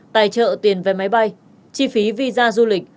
tài trợ tiền vé máy bay chi phí visa du lịch